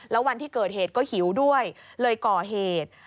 แล้ววันที่เกิดเหตุก็หิวด้วยเลยก่อเหตุ